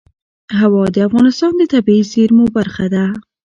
هوا د افغانستان د طبیعي زیرمو برخه ده.